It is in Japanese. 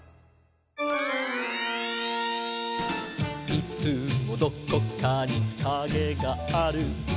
「いつもどこかにカゲがある」